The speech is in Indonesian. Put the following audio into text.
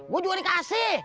gue juga dikasih